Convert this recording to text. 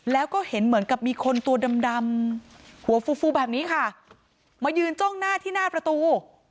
แล้วก็เห็นเหมือนกับมีคนตัวดำดำหัวฟูฟูแบบนี้ค่ะมายืนจ้องหน้าที่หน้าประตู